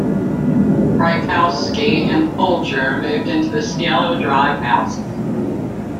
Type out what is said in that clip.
Frykowski and Folger moved into the Cielo Drive house.